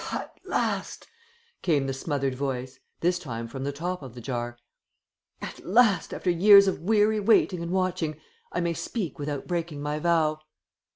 "At last!" came the smothered voice, this time from the top of the jar. "At last, after years of weary waiting and watching, I may speak without breaking my vow."